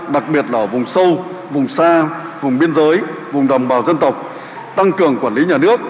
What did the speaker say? đặc biệt là ở vùng sâu vùng xa vùng biên giới vùng đồng bào dân tộc tăng cường quản lý nhà nước